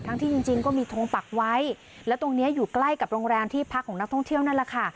ที่จริงจริงก็มีทงปักไว้แล้วตรงเนี้ยอยู่ใกล้กับโรงแรมที่พักของนักท่องเที่ยวนั่นแหละค่ะ